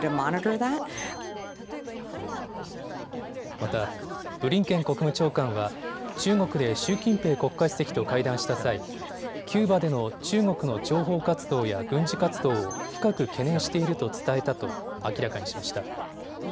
またブリンケン国務長官は中国で習近平国家主席と会談した際、キューバでの中国の諜報活動や軍事活動を深く懸念していると伝えたと明らかにしました。